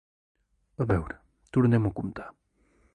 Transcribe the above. A veure, tornem-ho a comptar.